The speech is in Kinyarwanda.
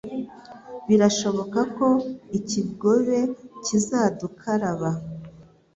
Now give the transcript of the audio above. Birashoboka ko ikigobe kizadukaraba;